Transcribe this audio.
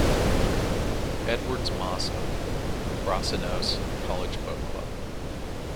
Edwards-Moss of Brasenose College Boat Club.